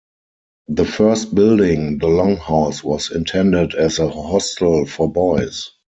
The first building, the longhouse, was intended as a hostel for boys.